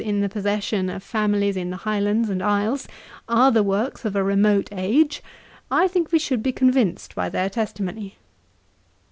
in the possession of families in the Highlands and isles are the works of a remote age, I think we should be convinced by their testimony.